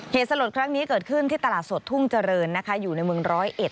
เหตุสลดครั้งนี้เกิดขึ้นที่ตลาดสดทุ่งเจริญนะคะอยู่ในเมืองร้อยเอ็ด